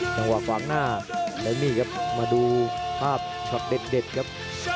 จังหวะฝั่งหน้าไลมี่ครับมาดูภาพชอบเด็ดครับ